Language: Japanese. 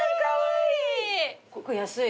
これ安い。